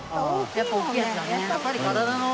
やっぱ大きいやつだね。